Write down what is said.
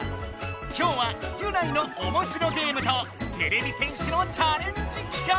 今日はギュナイのおもしろゲームとてれび戦士のチャレンジ企画！